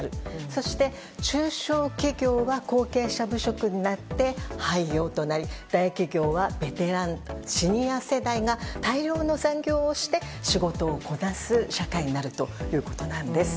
そして、中小企業は後継者不足になって廃業となり大企業はベテラン・シニア世代が大量の残業をして仕事をこなす社会になるということなんです。